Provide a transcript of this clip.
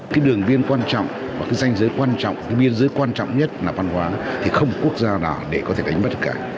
cái đường biên quan trọng và cái danh giới quan trọng cái biên giới quan trọng nhất là văn hóa thì không một quốc gia nào để có thể đánh bắt cả